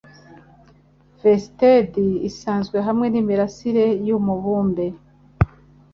Vested isanzwe hamwe nimirasire yumubumbe